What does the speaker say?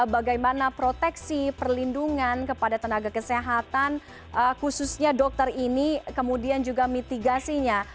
bagaimana proteksi perlindungan kepada tenaga kesehatan khususnya dokter ini kemudian juga mitigasinya